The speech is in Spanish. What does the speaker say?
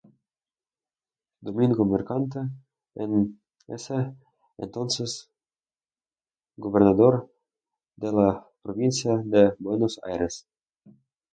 Domingo Mercante, en ese entonces Gobernador de la Provincia de Buenos Aires.